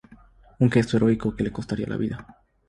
Un gesto heroico que le costaría la vida.